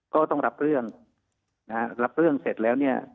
ก็ต้องรับเรื่องนะฮะรับเรื่องเสร็จแล้วเนี่ย